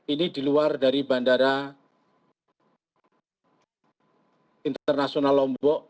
ini di luar dari bandara internasional lombok